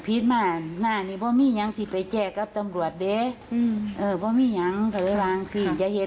ผมเป็นยังไปผมคือคนถือมาบอกเอาไว้สิ